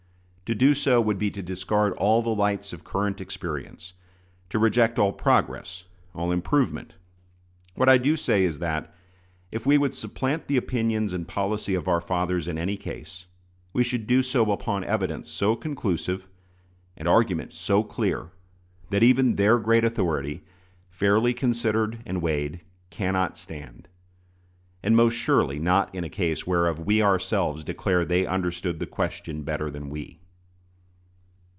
To do so would be to discard all the lights of current experience to reject all progress, all improvement. What I do say is that, if we would supplant the opinions and policy of our fathers in any case, we should do so upon evidence so conclusive, and argument so clear, that even their great authority, fairly considered and weighed, cannot stand; and most surely not in a case whereof we ourselves declare they understood the question better than we.